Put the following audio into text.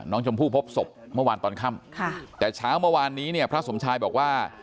น้องชมพู่พบศพเมื่อวานตอนค่ำค่ะแต่เช้าเมื่อวานนี้เนี่ยพระสมชายบอกว่า